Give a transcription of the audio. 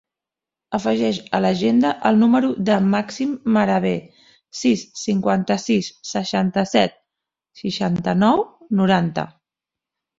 Afegeix a l'agenda el número del Màxim Maraver: sis, cinquanta-sis, seixanta-set, seixanta-nou, noranta.